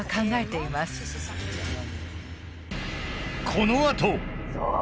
このあと！